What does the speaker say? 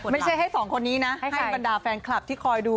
ไม่ใช่ให้สองคนนี้นะให้บรรดาแฟนคลับที่คอยดู